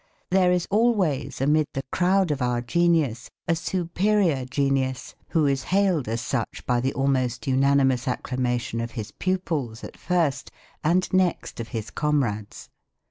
There is always amid the crowd of our genius, a superior genius who is hailed as such by the almost unanimous acclamation of his pupils at first, and next of his comrades.